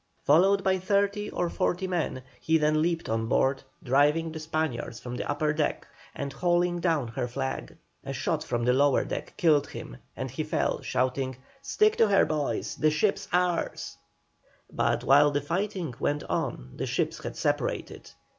Followed by thirty or forty men, he then leaped on board, driving the Spaniards from the upper deck, and hauling down her flag. A shot from the lower deck killed him, and he fell, shouting, "Stick to her, boys! The ship's ours." But while the fighting went on the ships had separated.